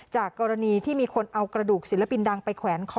จากกรณีที่มีคนเอากระดูกศิลปินดังไปแขวนคอ